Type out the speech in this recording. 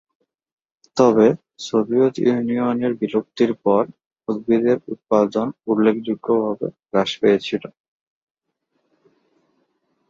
তবে, সোভিয়েত ইউনিয়নের বিলুপ্তির পর, উদ্ভিদের উৎপাদন উল্লেখযোগ্যভাবে হ্রাস পেয়েছিল।